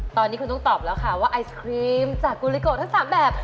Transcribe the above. ตอนนี้คุณต้องตอบแล้วค่ะว่าไอศครีมจากกูลิโกทั้ง๓แบบ